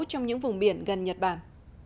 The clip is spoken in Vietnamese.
trong những vùng biển gần nhật bản